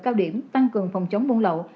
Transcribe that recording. cao điểm tăng cường phòng chống buôn lậu